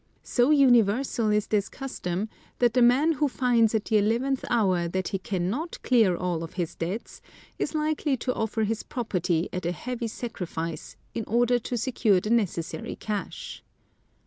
So universal is this custom that the man who finds at the eleventh hour that he cannot clear off all his debts is likely to offer his property at a heavy sacrifice in order to secure the necessary cash.